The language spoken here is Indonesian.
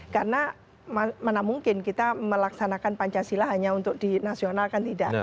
karena mana mungkin kita melaksanakan pancasila hanya untuk di nasional kan tidak